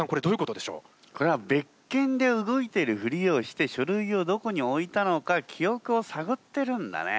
これは別件で動いてるふりをして書類をどこに置いたのか記憶を探ってるんだね。